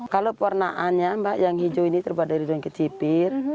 kalau pewarnaannya mbak yang hijau ini terbuat dari daging kecipir